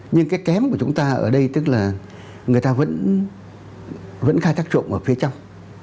nhưng cái kém của chúng ta ở đây tức là người ta vẫn khai thác trộm ở phía trong